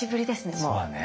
そうだね。